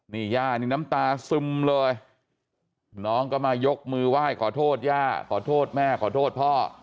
นี่ย่านี่น้ำตาซึมเลยน้องก็มายกมือไหว้ขอโทษย่าขอโทษแม่ขอโทษพ่อ